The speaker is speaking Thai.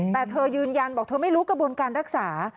แต่เธอยืนยันบอกเธอไม่รู้กระบวนการรักษา